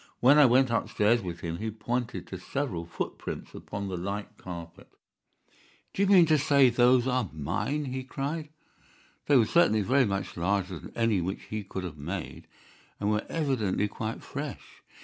When I went upstairs with him he pointed to several footprints upon the light carpet. "'D'you mean to say those are mine?' he cried. "They were certainly very much larger than any which he could have made, and were evidently quite fresh.